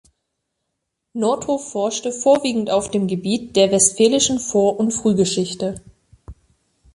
Nordhoff forschte vorwiegend auf dem Gebiet der westfälischen Vor- und Frühgeschichte.